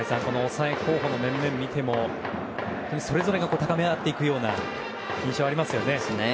抑え候補の面々を見てもそれぞれが高め合っていくような印象がありますね。